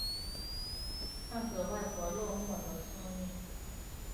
看着外婆落寞的身影